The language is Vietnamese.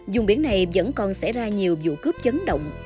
dùng biển này vẫn còn xảy ra nhiều vụ cướp chấn động